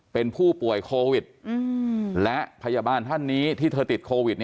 เป็นผู้ป่วยโควิดและพยาบาลท่านนี้ที่เธอติดโควิด